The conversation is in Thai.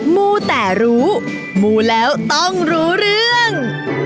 มูแต่รู้มูแล้วต้องรู้เรื่อง